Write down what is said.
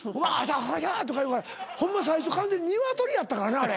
お前「あしゃ」とか言うからホンマ最初完全に鶏やったからなあれ。